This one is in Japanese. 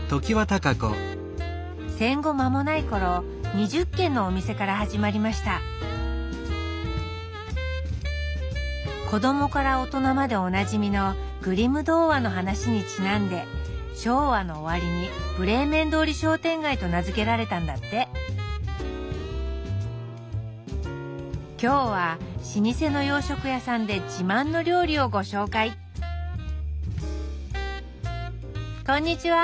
戦後間もない頃２０軒のお店から始まりました子どもから大人までおなじみのグリム童話の話にちなんで昭和の終わりにブレーメン通り商店街と名付けられたんだって今日は老舗の洋食屋さんで自慢の料理をご紹介こんにちは！